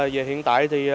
về hiện tại thì